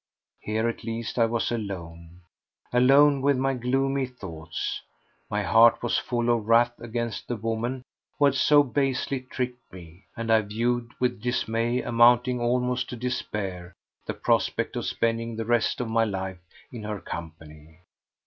Here at least I was alone—alone with my gloomy thoughts. My heart was full of wrath against the woman who had so basely tricked me, and I viewed with dismay amounting almost to despair the prospect of spending the rest of my life in her company.